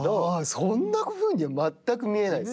そんなことは全く見えないです。